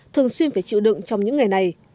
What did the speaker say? thường xuyên phải chịu đựng trong những ngày này